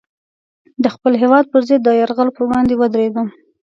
د خپل هېواد پر ضد د یرغل پر وړاندې ودرېدم.